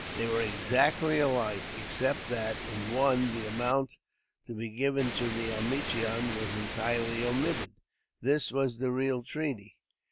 They were exactly alike, except that, in one, the amount to be given to Omichund was entirely omitted. This was the real treaty.